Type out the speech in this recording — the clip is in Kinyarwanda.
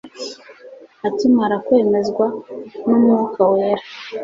Akimara kwemezwa n'Umwuka wera,